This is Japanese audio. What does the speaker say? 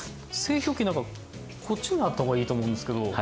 製氷機なんかこっちにあった方がいいと思うんですけど。